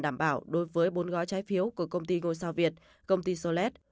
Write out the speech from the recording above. đảm bảo đối với bốn gói trái phiếu của công ty ngôi sao việt công ty solet